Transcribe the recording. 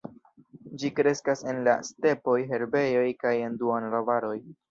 Ĝi kreskas en la stepoj, herbejoj kaj en duonarbaroj.